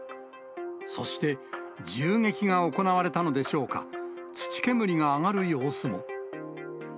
そして、銃撃が行われたのでしょうか、土煙が上がる様子も。